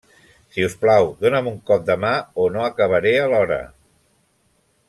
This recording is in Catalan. Si us plau, dóna'm un cop de mà o no acabaré a l'hora.